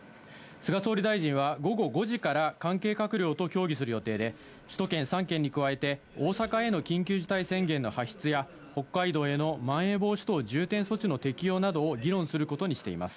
菅総理大臣は午後５時から関係閣僚と協議する予定で、首都圏３県に加えて、大阪への緊急事態宣言の発出や、北海道へのまん延防止等重点措置の適用などを議論することにしています。